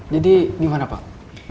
jadi gimana pak